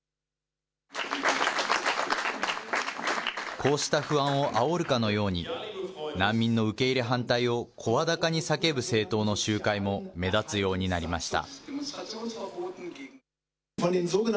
こうした不安をあおるかのように、難民の受け入れ反対を声高に叫ぶ政党の集会も目立つようになりました。